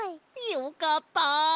よかった。